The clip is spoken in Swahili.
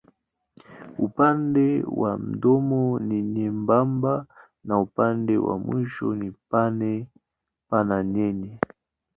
Upande wa mdomo ni nyembamba na upande wa mwisho ni pana yenye.